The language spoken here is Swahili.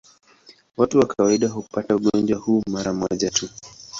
Watu kwa kawaida hupata ugonjwa huu mara moja tu.